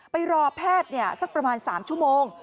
ไปรอแพทย์สักประมาณ๓ชั่วโมง